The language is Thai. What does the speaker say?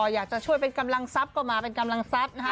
อยากจะช่วยเป็นกำลังทรัพย์ก็มาเป็นกำลังทรัพย์นะคะ